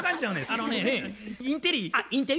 あのねインテリ。